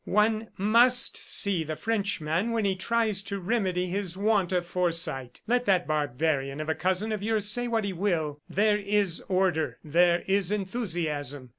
One must see the Frenchman when he tries to remedy his want of foresight. Let that barbarian of a cousin of yours say what he will there is order, there is enthusiasm.